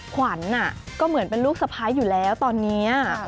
ขวัญก็เหมือนเป็นลูกสะพ้ายอยู่แล้วตอนนี้